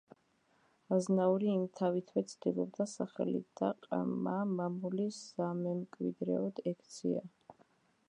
აზნაური იმთავითვე ცდილობდა სახელო და ყმა-მამული სამემკვიდრეოდ ექცია.